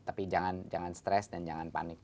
tapi jangan stres dan jangan panik